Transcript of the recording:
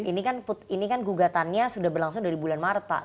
ini kan gugatannya sudah berlangsung dari bulan maret pak